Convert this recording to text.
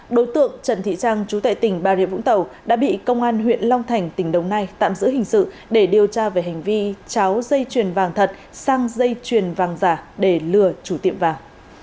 đối tượng trần thị trang chú tệ tỉnh bà rịa vũng tàu đã bị công an huyện long thành tỉnh đồng nai tạm giữ hình sự để điều tra về hành vi cháo dây chuyền vàng thật sang dây chuyền vàng giả để lừa chủ tiệm vàng